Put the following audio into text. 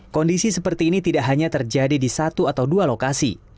kondisi seperti ini tidak hanya terjadi di satu atau dua lokasi